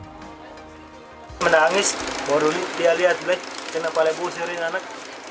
dia menangis dia lihat kenapa lepuh siurin anak